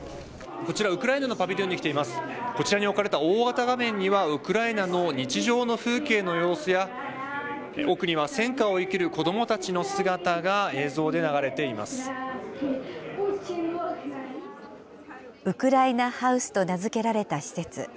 こちらに置かれた大型画面には、ウクライナの日常の風景の様子や、奥には戦火を生きる子どもたちのウクライナ・ハウスと名付けられた施設。